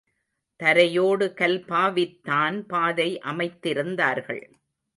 தரையோடு கல் பாவித்தான் பாதை அமைத்திருந்தார்கள்.